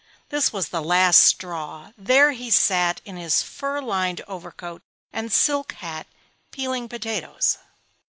This was the last straw; there he sat, in his fur lined overcoat and silk hat, peeling potatoes.